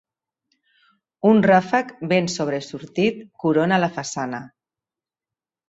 Un ràfec ben sobresortit corona la façana.